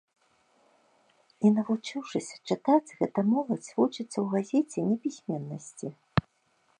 І, навучыўшыся чытаць, гэта моладзь вучыцца ў газеце непісьменнасці.